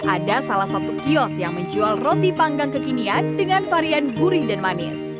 ada salah satu kios yang menjual roti panggang kekinian dengan varian gurih dan manis